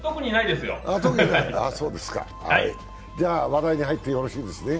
では、話題に入ってよろしいですね。